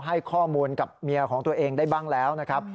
ให้ข้อมูลกับเมียของตัวเองได้บ้างแล้วนะครับ